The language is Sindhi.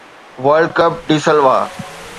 ورلڊ ڪپ ڊي سلوا